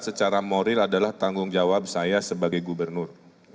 secara moral adalah tanggung jawab saya sebagai gubernur